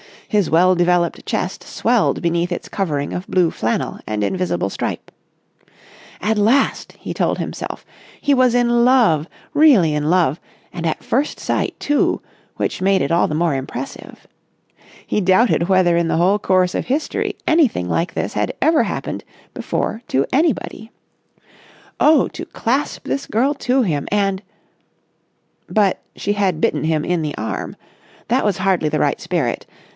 His well developed chest swelled beneath its covering of blue flannel and invisible stripe. At last, he told himself, he was in love, really in love, and at first sight, too, which made it all the more impressive. He doubted whether in the whole course of history anything like this had ever happened before to anybody. Oh, to clasp this girl to him and.... But she had bitten him in the arm. That was hardly the right spirit.